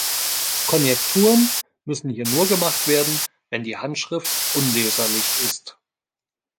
Konjekturen müssen hier nur gemacht werden, wenn die Handschrift unleserlich ist.